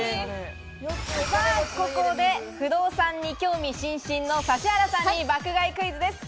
ここで不動産に興味津々の指原さんに爆買いクイズです。